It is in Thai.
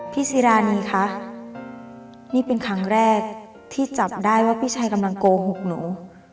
ซีรานีคะนี่เป็นครั้งแรกที่จับได้ว่าพี่ชัยกำลังโกหกหนู